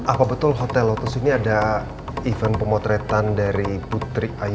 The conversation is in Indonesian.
apa betul hotel lotus ini ada event pemotretan dari putri ayu